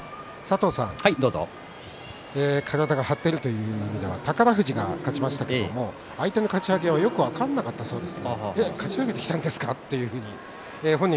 体が張っているという意味では宝富士が勝ちましたけれども相手のかち上げをよく分からなかったそうです。